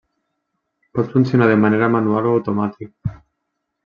Pot funcionar de manera manual o automàtic.